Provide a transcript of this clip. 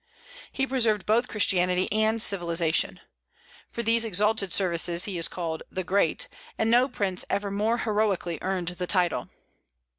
He preserved both Christianity and civilization. For these exalted services he is called "the Great;" and no prince ever more heroically earned the title.